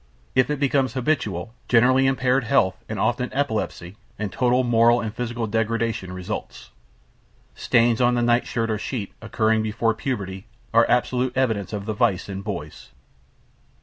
If it becomes habitual, generally impaired health, and often epilepsy, and total moral and physical degradation results. Stains on the nightshirt or sheet occurring before puberty are absolute evidence of the vice in boys.